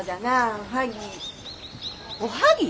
おはぎ？